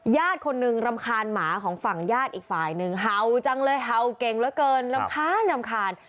ญาติคนหนึ่งรำคาญหมาของฝั่งญาติอีกฝ่ายหนึ่งเห่าจังเลยเห่าเก่งเหลือเกินรำคาญรำคาญ